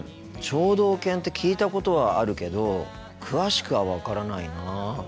聴導犬って聞いたことはあるけど詳しくは分からないな。